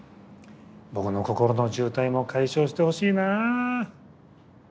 僕の心の渋滞も解消してほしいな。